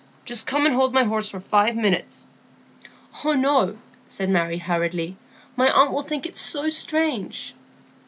just come and hold my horse for five minutes." "Oh, no," said Maggie, hurriedly, "my aunt will think it so strange."